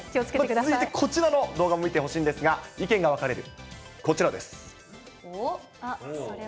続いてこちらの動画も見てほしいんですが、意見が分かれるこちらです。